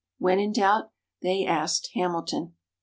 When in doubt they asked Hamilton.